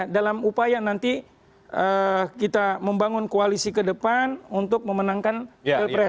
dalam upaya nanti kita membangun koalisi ke depan untuk memenangkan pilpres